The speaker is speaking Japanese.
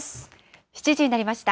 ７時になりました。